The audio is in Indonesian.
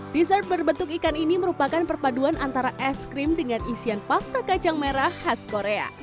dessert berbentuk ikan ini merupakan perpaduan antara es krim dengan isian pasta kacang merah khas korea